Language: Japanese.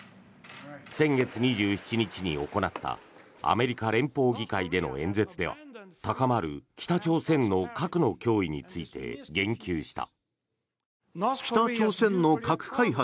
先月２７日に行ったアメリカ連邦議会での演説では高まる北朝鮮の核の脅威について言及した。